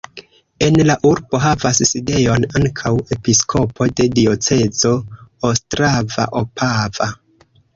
En la urbo havas sidejon ankaŭ episkopo de diocezo ostrava-opava.